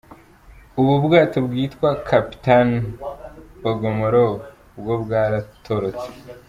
Ubu bwato bwitwa Kapitan Bogomolov bwo bwaratorotse.